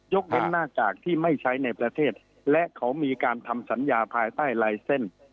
เว้นหน้ากากที่ไม่ใช้ในประเทศและเขามีการทำสัญญาภายใต้ลายเส้น